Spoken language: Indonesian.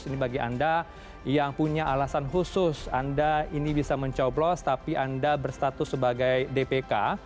ini bagi anda yang punya alasan khusus anda ini bisa mencoblos tapi anda berstatus sebagai dpk